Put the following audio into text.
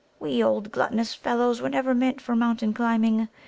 We old gluttonous fellows were never meant for mountain climbing.